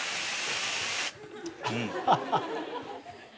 うん。